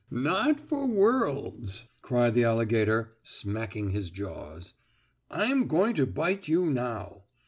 "Not for worlds!" cried the alligator, smacking his jaws. "I'm going to bite you now."